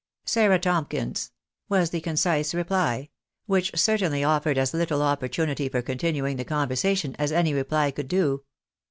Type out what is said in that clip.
"" Sarah Tomkins, " was the concise reply ; which certainly oifered as littie opportunity for continuing the conversation as any reply could do.